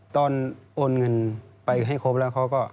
โอนเงินไปให้ครบแล้วเขาก็